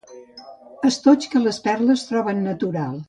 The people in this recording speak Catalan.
Estoig que les perles troben natural.